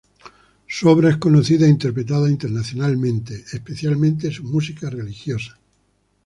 Su obra es conocida e interpretada internacionalmente, especialmente su música religiosa.